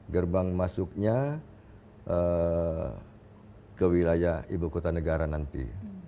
gerbang masuknya ke wilayah ibu kota negara nanti